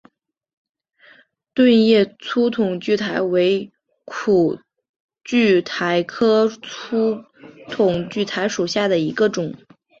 盾叶粗筒苣苔为苦苣苔科粗筒苣苔属下的一个种。